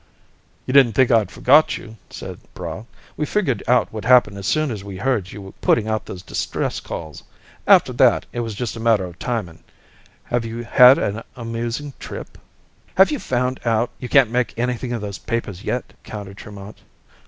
"You didn't think I'd forget you?" asked Braigh. "We figured out what happened as soon as we heard you putting out those distress calls. After that, it was just a matter of timing. Have you had an amusing trip?" "Have you found out you can't make anything of those papers yet?" countered Tremont.